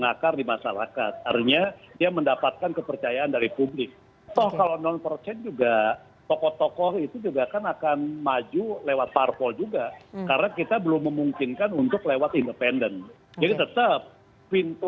hasil pemilu tapi kan tetap